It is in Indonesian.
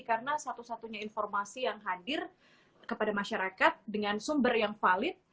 karena satu satunya informasi yang hadir kepada masyarakat dengan sumber yang valid